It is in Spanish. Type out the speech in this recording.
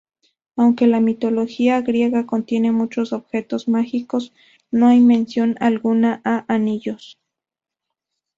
Aunque la mitología griega contiene muchos objetos mágicos, no hay mención alguna a anillos.